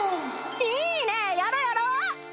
いいねやろやろ！